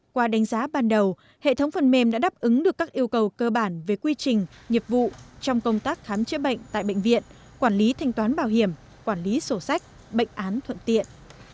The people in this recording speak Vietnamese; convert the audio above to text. qua đánh giá ban đầu hệ thống phần mềm đã đáp ứng được các yêu cầu cơ bản về quy trình nghiệp vụ trong công tác khám chữa bệnh tại bệnh viện quản lý thanh toán bảo hiểm quản lý sổ sách bệnh án thuận tiện